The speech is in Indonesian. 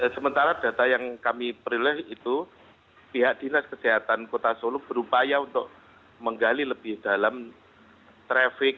sementara data yang kami peroleh itu pihak dinas kesehatan kota solo berupaya untuk menggali lebih dalam traffic